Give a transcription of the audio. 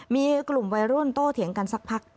มีกลุ่มวัยรุ่นโตเถียงกันสักพัก